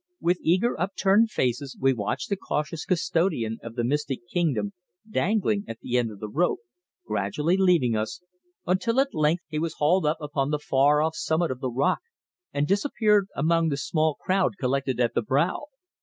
With eager upturned faces we watched the cautious custodian of the mystic kingdom dangling at the end of the rope, gradually leaving us, until at length he was hauled up upon the far off summit of the rock and disappeared among the small crowd collected at the brow.